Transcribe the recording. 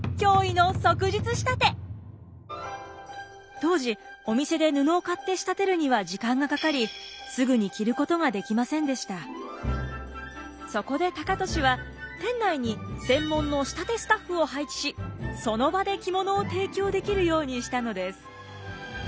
当時お店で布を買って仕立てるには時間がかかりそこで高利は店内に専門の仕立てスタッフを配置しその場で着物を提供できるようにしたのです。